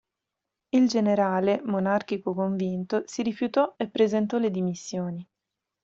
Il generale, monarchico convinto, si rifiutò e presentò le dimissioni.